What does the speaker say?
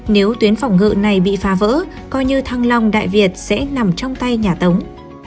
nếu tuyến phòng ngự này bị phá vỡ coi như thăng long đại việt sẽ nằm trong tay nhà tống